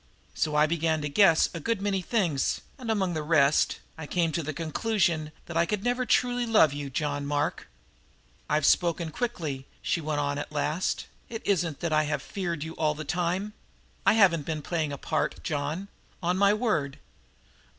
So I began to guess a good many things, and, among the rest, I came to the conclusion that I could never truly love you, John Mark. "I've spoken quickly," she went on at last. "It isn't that I have feared you all the time I haven't been playing a part, John, on my word.